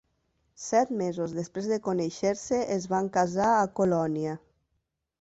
Set mesos després de conèixer-se, es van casar a Colònia.